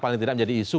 paling tidak menjadi isu